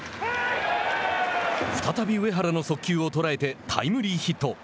再び上原の速球を捉えてタイムリーヒット。